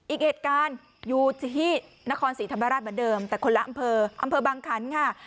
อีกเหตุการณ์อยู่ที่นครศรีธรรมราชเหมือนเดิมแต่คนละอำเภออำเภอบางคันค่ะ